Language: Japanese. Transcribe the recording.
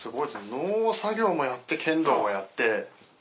農作業もやって剣道もやって。